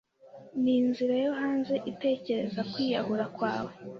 Ninzira yo hanze itekereza kwiyahura kwawe?